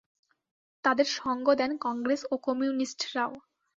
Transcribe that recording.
তাঁদের সঙ্গ দেন কংগ্রেস ও কমিউনিস্টরাও।